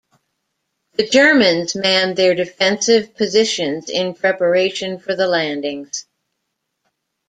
The Germans manned their defensive positions in preparation for the landings.